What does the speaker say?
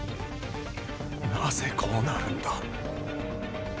なぜこうなるんだ。